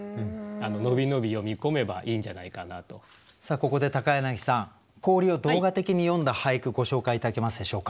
ここで柳さん氷を動画的に詠んだ俳句ご紹介頂けますでしょうか。